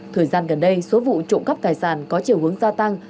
thời gian gần đây số vụ trộm cắp tài sản có chiều hướng gia tăng